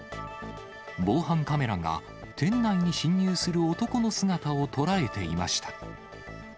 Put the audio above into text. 防犯カメラが店内に侵入する男の姿を捉えていました。